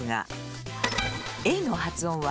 ａの発音は。